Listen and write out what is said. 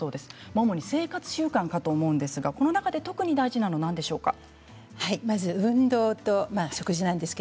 主に生活習慣かと思うんですがこの中で特に大事なのはまず運動と食事です。